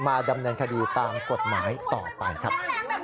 มาดำเนินคดีตามกฎหมายต่อไปครับ